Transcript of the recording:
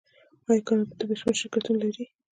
آیا کاناډا د بریښنا شرکتونه نلري؟